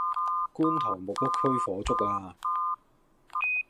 觀塘木屋區火燭呀